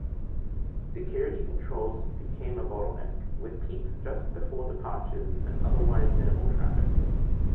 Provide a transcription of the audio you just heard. Security controls became a bottle-neck, with peaks just before departures and otherwise minimal traffic.